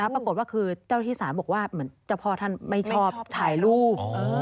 ปรากฏว่าคือเจ้าที่ศาลบอกว่าเหมือนเจ้าพ่อท่านไม่ชอบถ่ายรูป